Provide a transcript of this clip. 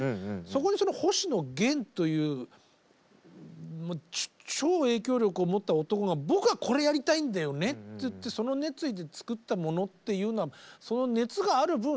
そこに星野源という超影響力を持った男が「僕はこれやりたいんだよね」って言ってその熱意で作ったものっていうのはその熱がある分